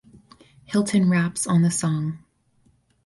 Hilton raps on the song.